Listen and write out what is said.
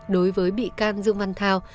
đối với bị can dương văn thao